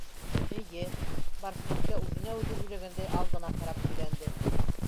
Эйе, - Барсынбикә үҙенә үҙе һөйләгәндәй, алдына ҡарап һөйләнде.